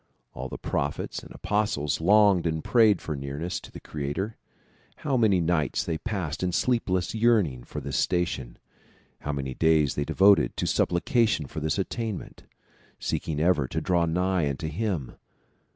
All the prophets and apostles longed and prayed for nearness to the creator. How many nights they passed in sleepless yearning for this station ; how many days they devoted to supplication for this attainment, seeking ever to draw nigh unto him